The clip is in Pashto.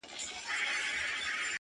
څوك مي دي په زړه باندي لاس نه وهي؛